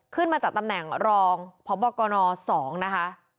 ขึ้นมาจากตำแหน่งรองพบกน๒นะคะ